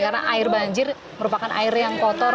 karena air banjir merupakan air yang kotor